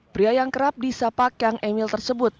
pria yang kerap disapa kang emil tersebut